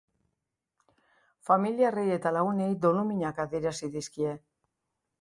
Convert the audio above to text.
Familiarrei eta lagunei doluminak adierazi dizkie.